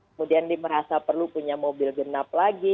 kemudian diperasa perlu punya mobil genap lagi